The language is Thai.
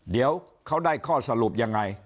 เดี๋ยวเขาได้ข้อสรุปยังไง